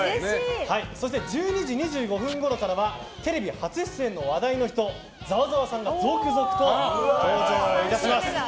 そして１２時２５分ごろからはテレビ初出演の話題の人ざわざわさんが続々と登場いたします。